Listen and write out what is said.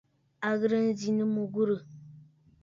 À ghɨ̀rə nzì nɨ mɨ̀ghurə̀.